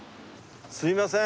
すいません。